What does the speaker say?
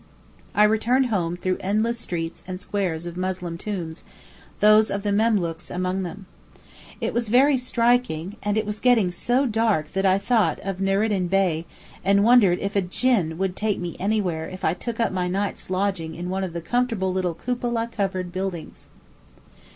I returned home through endless streets and squares of Moslem tombs, those of the Memlooks among them. It was very striking; and it was getting so dark that I thought of Nurreddin Bey, and wondered if a Jinn would take me anywhere if I took up my night's lodging in one of the comfortable little cupola covered buildings.